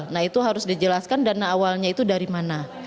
nah itu harus dijelaskan dana awalnya itu dari mana